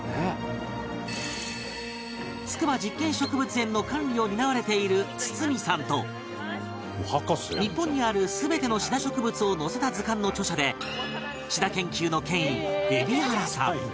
筑波実験植物園の管理を担われている堤さんと日本にある全てのシダ植物を載せた図鑑の著者でシダ研究の権威海老原さん